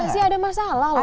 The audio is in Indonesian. nggak sih ada masalah loh